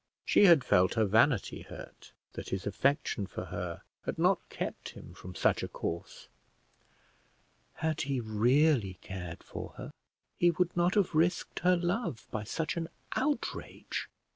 She had felt her vanity hurt, that his affection for her had not kept him from such a course; had he really cared for her, he would not have risked her love by such an outrage.